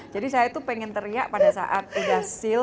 jadi saya tuh pengen teriak pada saat udah seal